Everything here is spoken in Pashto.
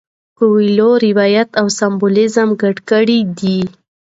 کویلیو روایت او سمبولیزم ګډ کړي دي.